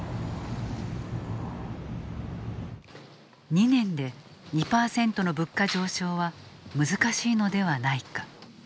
２年で２％の物価上昇は難しいのではないか。